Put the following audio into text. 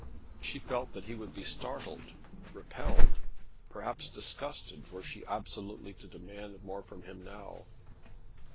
She felt that he would be startled, repelled, perhaps disgusted were she absolutely to demand more from him now.